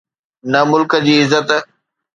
نه ملڪ جي عزت.